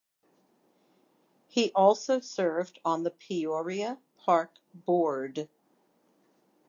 He also served on the Peoria Park Board.